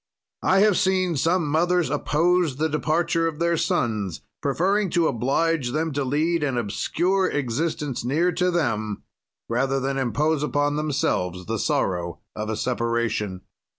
"I have seen some mothers oppose the departure of their sons, preferring to oblige them to lead an obscure existence near to them, rather than impose upon themselves the sorrow of a separation.